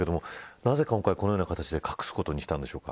なぜ今回、このような形で隠すことにしたのでしょうか。